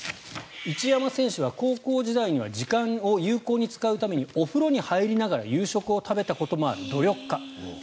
一山選手は高校時代には時間を有効に使うためにお風呂に入りながら夕食を食べたこともある努力家。